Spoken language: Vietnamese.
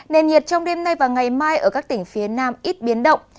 nền nhiệt trong đêm nay và ngày mai ở các tỉnh phía nam ít biến động